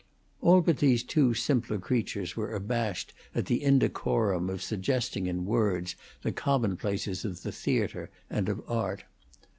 All but these two simpler creatures were abashed at the indecorum of suggesting in words the commonplaces of the theatre and of art.